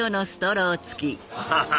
アハハハ！